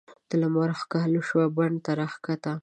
د لمر ښکالو شوه بڼ ته راکښته